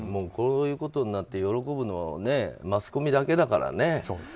こういうことになって喜ぶのはマスコミだけだからね。